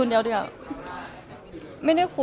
อเรนนี่มีหลังไม้ไม่มี